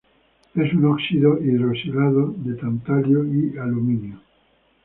Es un óxido hidroxilado de tantalio y aluminio.